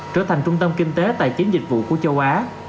trở thành trung tâm kinh tế tài chính dịch vụ của châu á